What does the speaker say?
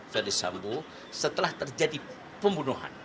ferdis sambo setelah terjadi pembunuhan